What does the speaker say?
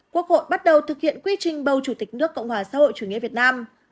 quốc hội bắt đầu thực hiện quy trình bầu chủ tịch nước cộng hòa xã hội chủ nghĩa việt nam